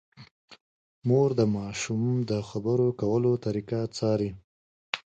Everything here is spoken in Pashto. مور د ماشوم د خبرو کولو طریقه څاري۔